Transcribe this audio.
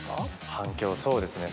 反響そうですね